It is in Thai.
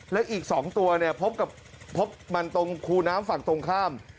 และอีกสองตัวพบมันตรงครูน้ำฝั่งตรงข้าม